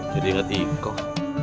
jadi inget ikoh